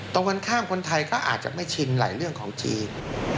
ตรงกันข้ามคนไทยก็อาจจะไม่ชินหลายเรื่องของจีน